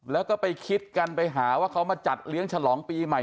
แล้วก็ไปคิดกันไปหาว่าเขามาจัดเลี้ยงฉลองปีใหม่